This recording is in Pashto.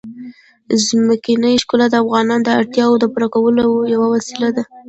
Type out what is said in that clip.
ځمکنی شکل د افغانانو د اړتیاوو د پوره کولو یوه وسیله ده.